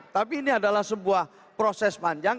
tapi ini adalah sebuah proses panjang